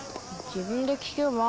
自分で聞けば？